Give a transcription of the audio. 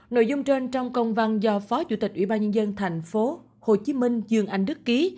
nội dung trên trong công văn do phó chủ tịch ủy ban nhân dân tp hcm dương anh đức ký